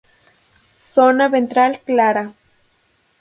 Zona ventral clara.